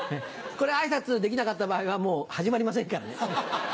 これ挨拶できなかった場合は始まりませんからね。